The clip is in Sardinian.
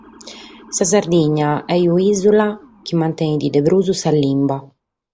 Sa Sardigna est un’ìsula chi mantenet de prus sa limba.